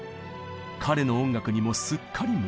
彼の音楽にもすっかり夢中に。